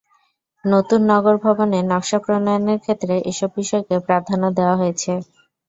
নতুন নগর ভবনের নকশা প্রণয়নের ক্ষেত্রে এসব বিষয়কে প্রাধান্য দেওয়া হয়েছে।